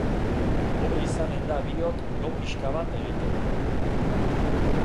Hobe izanen da biok lo pixka bat egitea.